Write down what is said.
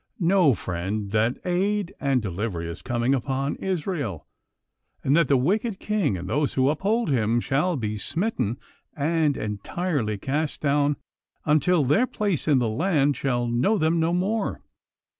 Know, friend, that aid and delivery is coming upon Israel, and that the wicked king and those who uphold him shall be smitten and entirely cast down, until their place in the land shall know them no more.